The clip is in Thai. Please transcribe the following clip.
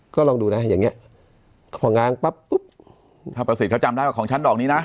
ก็ลองดูนะอย่างเงี้ยพอง้างปั๊บปุ๊บถ้าประสิทธิ์เขาจำได้ว่าของชั้นดอกนี้นะ